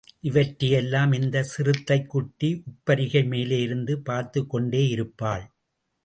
இவற்றையெல்லாம் இந்தச் சிறுத்தைக் குட்டி உப்பரிகை மேலேயிருந்து பார்த்துக்கொண்டேயிருப்பாள்.